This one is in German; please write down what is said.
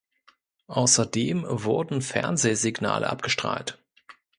Außerdem wurden Fernsehsignale abgestrahlt.